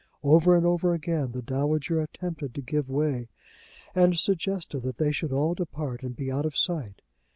Over and over again the dowager attempted to give way, and suggested that they should all depart and be out of sight.